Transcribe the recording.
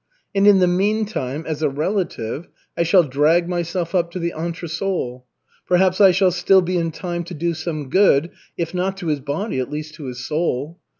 And in the meantime, as a relative, I shall drag myself up to the entresol. Perhaps I shall still be in time to do some good, if not to his body, at least to his soul.